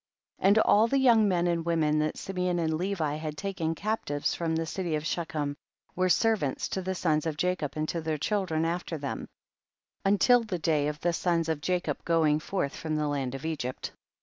37. And all the young men and women that Simeon and Levi had taken captives from the city of She chem, were servants to the sons of Jacob and to their children after them, until the day of the sons of Ja cob going forth from the land of Egypt.